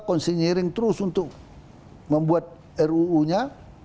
konsinyering terus untuk membuat ruu nya